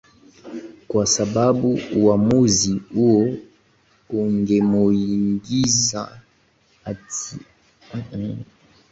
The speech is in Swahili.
kwa sababu uamuzi huo ungemuingiza hatiyani mamake ambaye alikuwa amekubali afanyiwe utaratibu huo